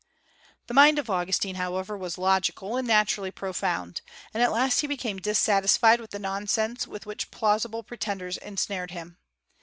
The mind of Augustine, however, was logical, and naturally profound; and at last he became dissatisfied with the nonsense with which plausible pretenders ensnared him.